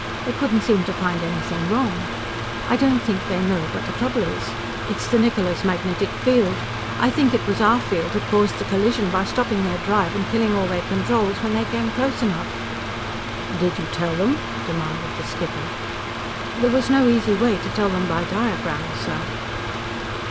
They couldn't seem to find anything wrong. I don't think they know what the trouble is. It's the Niccola's magnetic field. I think it was our field that caused the collision by stopping their drive and killing all their controls when they came close enough." "Did you tell them?" demanded the skipper. "There was no easy way to tell them by diagrams, sir."